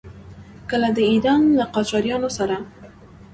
کله د ایران له قاجاریانو سره.